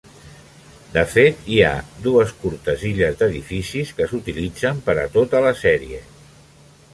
De fet hi ha dues curtes illes d'edificis que s'utilitzen per a tota la sèrie.